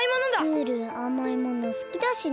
ムールあまいものすきだしね。